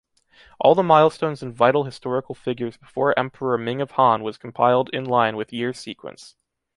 All the milestones and vital historical figures before Emperor Ming of Han was compiled in line with year sequence.